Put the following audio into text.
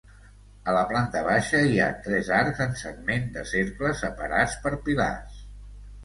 A la planta baixa hi ha tres arcs en segment de cercle separats per pilars.